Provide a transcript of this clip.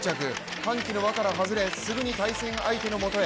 歓喜の輪から外れすぐに対戦相手のもとへ。